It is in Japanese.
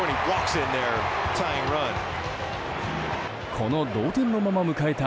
この同点のまま迎えた